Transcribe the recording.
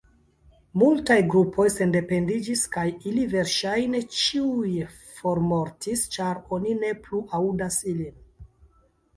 Multaj grupoj sendependiĝis, kaj ili verŝajne ĉiuj formortis ĉar oni ne plu aŭdas ilin.